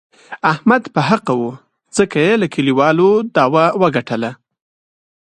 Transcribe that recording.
احمد په حقه و، ځکه یې له کلیوالو داوه و ګټله.